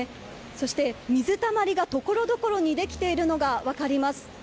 そして水たまりがところどころにできているのが分かります。